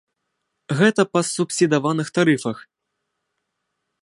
Гэта па субсідаваных тарыфах.